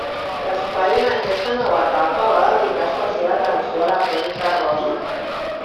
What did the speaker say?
L'espai, en aquesta nova etapa, va dedicar especial atenció a la crònica rosa.